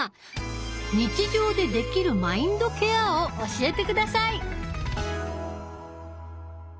日常でできるマインドケアを教えて下さい！